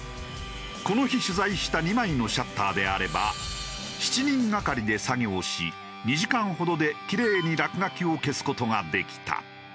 この日取材した２枚のシャッターであれば７人がかりで作業し２時間ほどでキレイに落書きを消す事ができた。